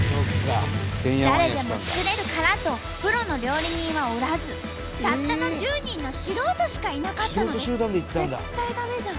誰でも作れるからとプロの料理人はおらずたったの１０人の素人しかいなかったのです。